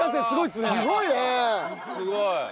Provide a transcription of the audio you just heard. すごいね。